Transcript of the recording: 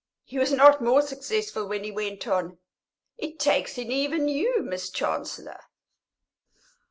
He was not more successful when he went on: "It takes in even you, Miss Chancellor!"